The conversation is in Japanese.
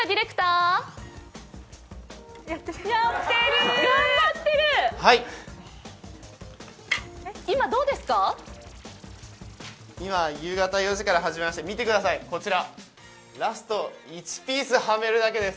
はいっ、夕方４時から始めまして、見てください、こちらラスト１ピースはめるだけです。